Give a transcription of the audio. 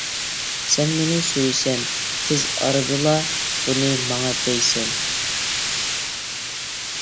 سەن مېنى سۆيىسەن، تېز ئارىدىلا بۇنى ماڭا دەيسەن!